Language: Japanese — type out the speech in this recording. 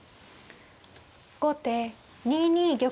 後手２二玉。